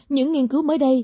những nghiên cứu mới đây